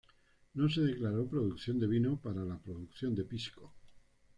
No se declaró producción de vino para la producción de pisco.